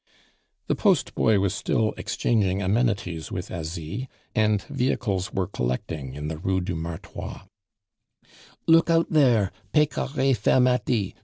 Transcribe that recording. The post boy was still exchanging amenities with Asie, and vehicles were collecting in the Rue du Martroi. "Look out, there Pecaire fermati.